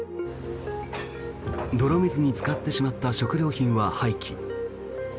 泥水につかってしまった食料品は廃棄。